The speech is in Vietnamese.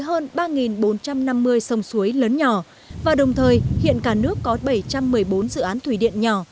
hệ thống sông ngòi dày đặc với hơn ba bốn trăm năm mươi sông suối lớn nhỏ và đồng thời hiện cả nước có bảy trăm một mươi bốn dự án thủy điện nhỏ